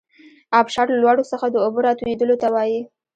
ابشار له لوړو څخه د اوبو راتویدلو ته وايي.